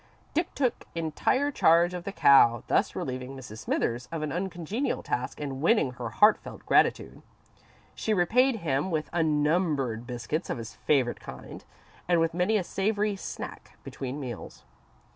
Dick took entire charge of the cow, thus relieving Mrs. Smithers of an uncongenial task and winning her heartfelt gratitude. She repaid him with unnumbered biscuits of his favourite kind and with many a savoury "snack" between meals.